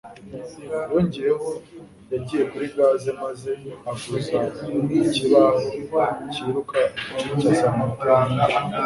Yongeyeho, yagiye kuri gaze maze ahuza ikibaho cyiruka igice cya santimetero nyinshi .